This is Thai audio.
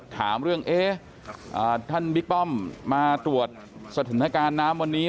ถามเรื่องเอ๊ะท่านบิ๊กป้อมมาตรวจสถานการณ์น้ำวันนี้